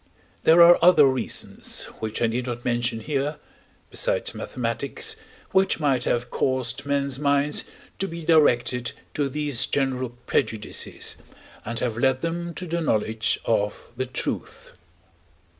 There are other reasons (which I need not mention here) besides mathematics, which might have caused men's minds to be directed to these general prejudices, and have led them to the knowledge of the truth.